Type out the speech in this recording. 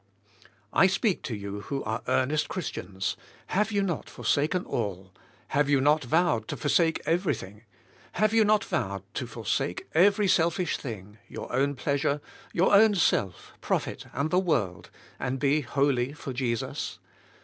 I speak to you who are earnest Christians, have you not forsaken all; have you not vowed to forsake everything; have you not vowed to forsake every selfish thing, your own pleasure, your own self, profit, and the world, and be wholly for Jesus?